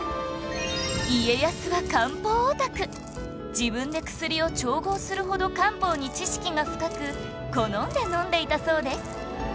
自分で薬を調合するほど漢方に知識が深く好んで飲んでいたそうです